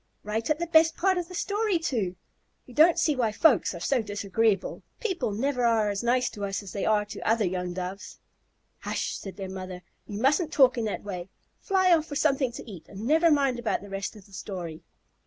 Right at the best part of the story, too. We don't see why folks are so disagreeable. People never are as nice to us as they are to the other young Doves." "Hush," said their mother. "You mustn't talk in that way. Fly off for something to eat, and never mind about the rest of the story."